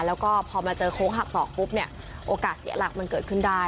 แล้วก็พอมาเจอโค้งหักศอกปุ๊บเนี่ยโอกาสเสียหลักมันเกิดขึ้นได้